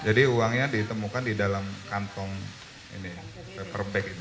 jadi uangnya ditemukan di dalam kantong ini paperback ini